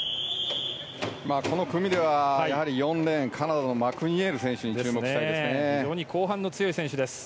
この組では、やはり４レーンカナダのマクニールに注目したいですね。